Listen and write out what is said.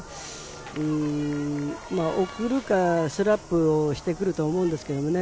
送るかスラップをしてくると思うんですけどね。